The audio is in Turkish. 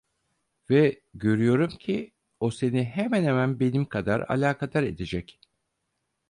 Ve görüyorum ki o seni hemen hemen benim kadar alakadar edecek…